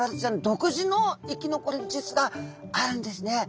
独自の生き残り術があるんですね。